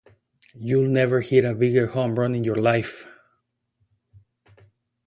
You'll never hit a bigger home run in your life!